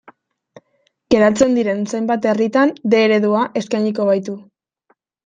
Geratzen diren zenbait herritan D eredua eskainiko baitu.